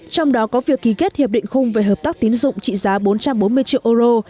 trong đó có việc ký kết hiệp định khung về hợp tác tín dụng trị giá bốn trăm bốn mươi triệu euro